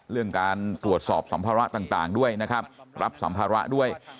เรื่องการตรวจสอบสัมภาระต่างด้วยนะครับรับสัมภาระด้วย